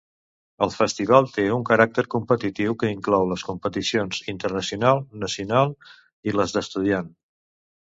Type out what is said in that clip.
El festival té un caràcter competitiu que inclou les competicions Internacional, Nacional i les d'estudiant.